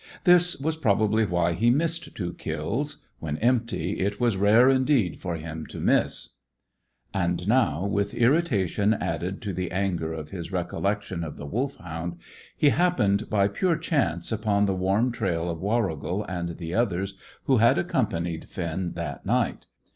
This was probably why he missed two kills; when empty it was rare indeed for him to miss. And, now, with irritation added to the anger of his recollection of the Wolfhound, he happened by pure chance upon the warm trail of Warrigal and the others who had accompanied Finn that night.